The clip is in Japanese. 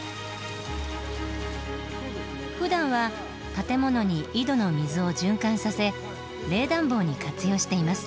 ふだんは建物に井戸の水を循環させ冷暖房に活用しています。